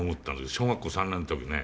小学校３年の時ね